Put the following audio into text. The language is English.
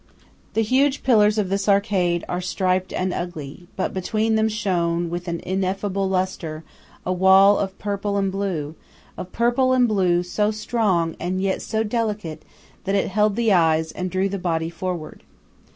The huge pillars of this arcade are striped and ugly, but between them shone, with an ineffable lustre, a wall of purple and blue, of purple and blue so strong and yet so delicate that it held the eyes and drew the body forward.